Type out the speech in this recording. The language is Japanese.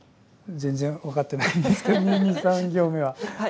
全然分かってないんですけど２３行目は。